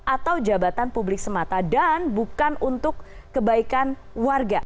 atau jabatan publik semata dan bukan untuk kebaikan warga